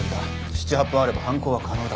７８分あれば犯行は可能だ。